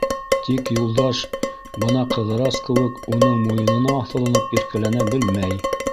Тик Юлдаш бына Ҡыҙырас кеүек уның муйынына аҫылынып иркәләнә белмәй.